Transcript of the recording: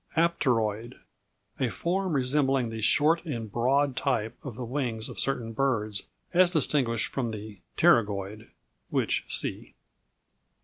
Apteroid A form resembling the "short and broad" type of the wings of certain birds as distinguished from the pterygoid (which see).